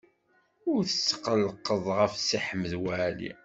Ur tetqellqeḍ ɣef Si Ḥmed Waɛli.